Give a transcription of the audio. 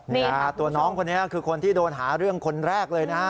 เนี่ยตัวน้องคนนี้คือคนที่โดนหาเรื่องคนแรกเลยนะฮะ